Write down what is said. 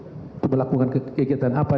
untuk melakukan kegiatan apa